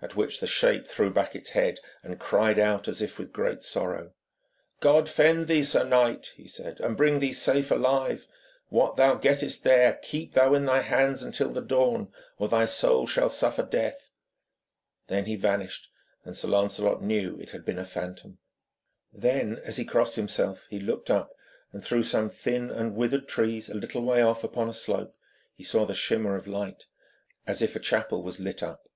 At which the shape threw back its head and cried out as if with great sorrow. 'God fend thee, sir knight,' he said, 'and bring thee safe alive. What thou gettest there, keep thou in thy hands until the dawn, or thy soul shall suffer death.' Then he vanished, and Sir Lancelot knew it had been a phantom. Then as he crossed himself, he looked up, and through some thin and withered trees a little way off upon a slope he saw the shimmer of light, as if a chapel was lit up.